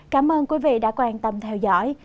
cảm ơn quý vị đã quan tâm theo dõi